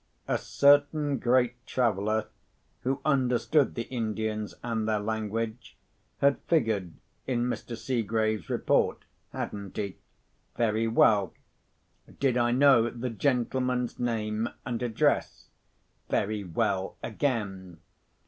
A certain great traveller, who understood the Indians and their language, had figured in Mr. Seegrave's report, hadn't he? Very well. Did I know the gentleman's name and address? Very well again.